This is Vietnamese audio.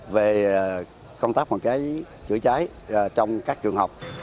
về công tác phòng cháy chữa cháy trong các trường học